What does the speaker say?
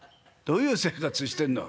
どういう生活してんの」。